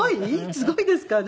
すごいですかね？